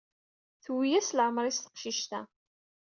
Tewwi-yas leɛmer-is teqcict-a.